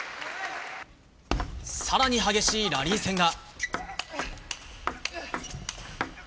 更に激しいラリー戦が。